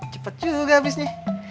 cepet juga abisnya